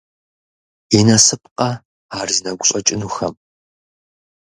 И насыпкъэ ар зи нэгу щӀэкӀынухэм?!